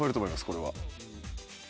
これは。